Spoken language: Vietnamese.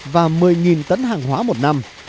và một mươi tấn hàng hóa một năm